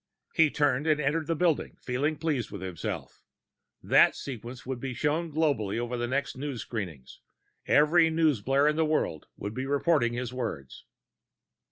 He turned and entered the building, feeling pleased with himself. That sequence would be shown globally on the next news screenings; every newsblare in the world would be reporting his words.